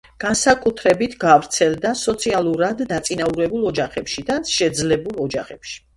განსაკუთრებით გავრცელდა სოციალურად დაწინაურებულ ოჯახებში და შეძლებულ ოჯახებში.